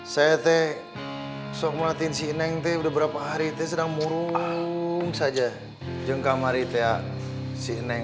saya teh sok melatih si neng teh beberapa hari teh sedang murung saja jengkam hari teh si neng